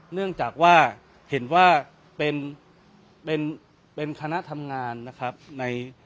เนื่องจากว่าเห็นว่าเป็นเป็นคณะทำงานนะครับใน